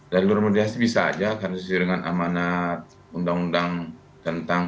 jalur mediasi bisa saja harus disusui dengan amanat undang undang